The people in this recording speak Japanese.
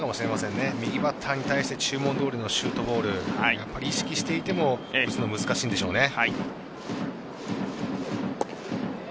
右バッターに対して注文どおりのシュートボール意識していても打つのは難しいでしょうね。